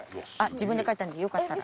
自分で書いたんでよかったら。